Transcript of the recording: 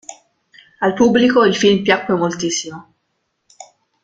Al pubblico il film piacque moltissimo.